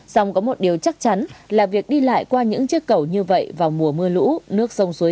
song có một điều chắc chắn là việc đi lại qua những chiếc cầu như vậy vào mùa mưa lũ nước sông suối